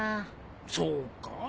そうか？